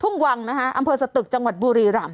ทุ่งวังอำเภอสะตึกจังหวัดบุรีรัม